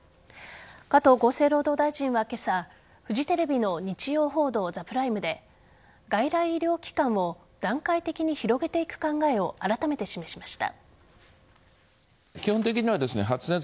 加藤厚生労働大臣は今朝フジテレビの「日曜報道ＴＨＥＰＲＩＭＥ」で外来医療機関を段階的に広げていく考えをあらためて示しました。